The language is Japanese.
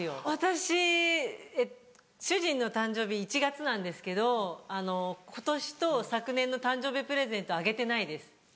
私主人の誕生日１月なんですけど今年と昨年の誕生日プレゼントあげてないです。